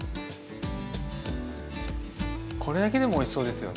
これだけでもおいしそうですよね。